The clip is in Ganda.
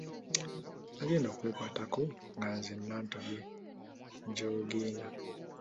Nagenda okwekwatako nga nzenna ntobye njoogiina!